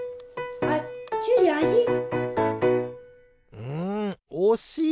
うんおしい！